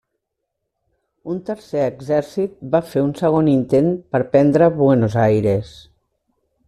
Un tercer exèrcit va fer un segon intent per prendre Buenos Aires.